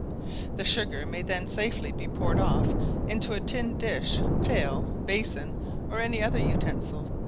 The sugar may then safely be poured off into a tin dish, pail, basin, or any other utensil.